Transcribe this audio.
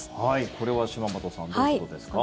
これは島本さんどういうことですか。